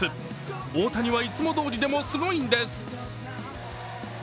大谷はいつもどおりでもすごいんです。